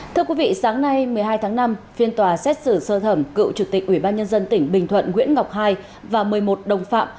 thưa quý vị sáng nay một mươi hai tháng năm phiên tòa xét xử sơ thẩm cựu chủ tịch ubnd tỉnh bình thuận nguyễn ngọc ii và một mươi một đồng phạm